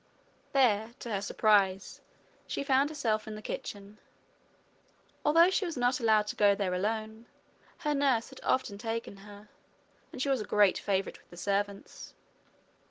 There, to her surprise, she found herself in the kitchen. Although she was not allowed to go there alone, her nurse had often taken her, and she was a great favourite with the servants.